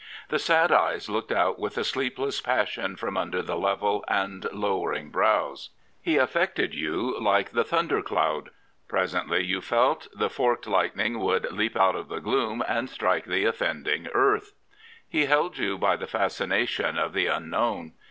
The sad eyes looked out with a sleepless passion from under the level and lowering brows. He affected you like the thunder cloud. Presently, you felt, the forked lightning would leap out of the gloom and strike the offending earth. He held you by the fascination of the unknown.